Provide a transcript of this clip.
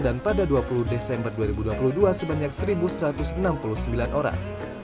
dan pada dua puluh desember dua ribu dua puluh dua sebanyak satu satu ratus enam puluh sembilan orang